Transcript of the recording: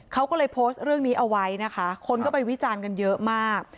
เขาก็เลยโพสต์เรื่องนี้เอาไว้นะคะคนก็ไปวิจารณ์กันเยอะมาก